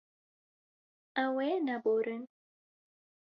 Ew ê neborin.